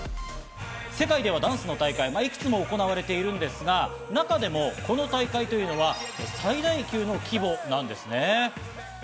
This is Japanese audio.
世界ではダンスの大会はいくつも行われているんですが、中でもこの大会というのは最大級の規模なんですね。